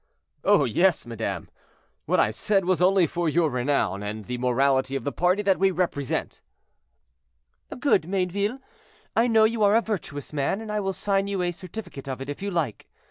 "Oh! yes, madame. What I said was only for your renown, and the morality of the party that we represent." "Good; Mayneville, I know you are a virtuous man, and I will sign you a certificate of it if you like.